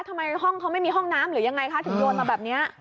ทำไมห้องเขาไม่มีห้องน้ำหรือยังไงคะถึงโยนมาแบบนี้